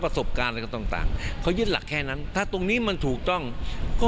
ประสบการณ์อะไรต่างเขายึดหลักแค่นั้นถ้าตรงนี้มันถูกต้องก็